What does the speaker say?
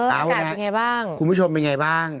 แล้วคุณผู้ชมเป็นอย่างไรบ้าง